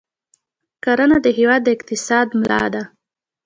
کرنه د هېواد د اقتصاد ملا ده.